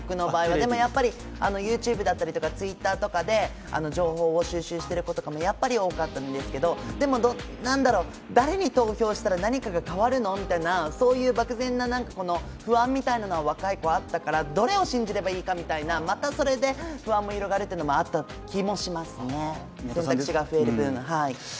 でも、ＹｏｕＴｕｂｅだったりＴｗｉｔｔｅｒとかで情報を収集している子もやっぱり多かったんですけど、でも、誰に投票したら何かが変わるの？みたいなそういう漠然な不安みたいのは若い子はあったからどれを信じればいいかみたいな、またそれで不安が広がるというのもあった気がしますね、選択肢が増える分。